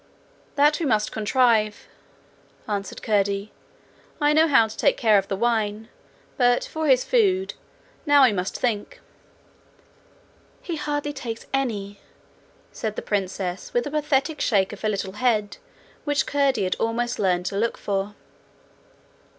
'That we must contrive,' answered Curdie. 'I know how to take care of the wine; but for his food now we must think.' 'He takes hardly any,' said the princess, with a pathetic shake of her little head which Curdie had almost learned to look for.